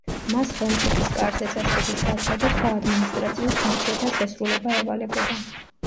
მას ხელმწიფის კარზე წესრიგის დაცვა და სხვა ადმინისტრაციულ ფუნქციათა შესრულება ევალებოდა.